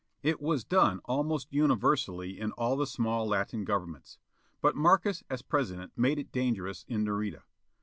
It was done almost universally in all the small Latin governments. But Markes as President made it dangerous in Nareda.